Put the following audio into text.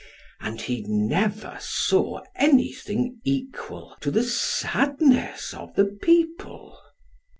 And he never saw any thing equal to the sadness of the people.